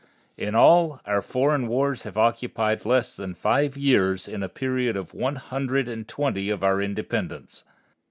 In all, our foreign wars have occupied less than five years in a period of one hundred and twenty of our independence.